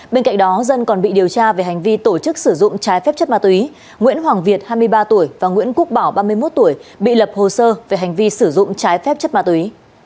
bên cạnh đó dân còn bị điều tra về hành vi tổ chức sử dụng trái phép chất ma túy nguyễn hoàng việt hai mươi ba tuổi và nguyễn quốc bảo ba mươi một tuổi bị lập hồ sơ về hành vi sử dụng trái phép chất ma túy